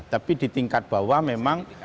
tapi di tingkat bawah memang